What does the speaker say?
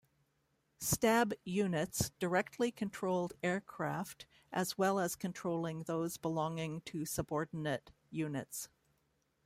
"Stab" units directly controlled aircraft as well as controlling those belonging to subordinate units.